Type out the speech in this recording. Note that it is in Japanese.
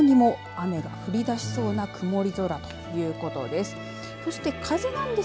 もう今にも雨が降り出しそうな曇り空ということです。